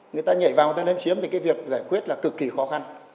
người ta nhảy vào người ta lấn chiếm thì cái việc giải quyết là cực kỳ khó khăn